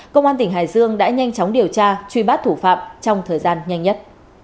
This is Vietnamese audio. công an tỉnh hải dương đã nhanh chóng điều tra truy bắt thủ phạm trong thời gian nhanh nhất